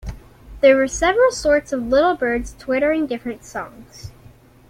There were several sorts of little birds, twittering different songs.